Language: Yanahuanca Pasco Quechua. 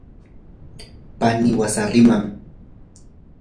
pani wasariman.